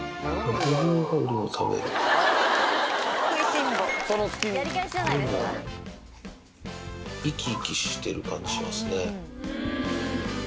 ブルーが生き生きしてる感じがしますね。